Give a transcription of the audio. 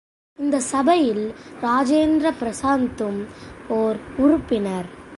இந்த சபையில் ராஜேந்திர பிரசாத்தும் ஓர் உறுப்பினர்.